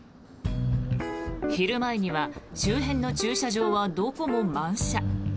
昼前には周辺の駐車場はどこも満車。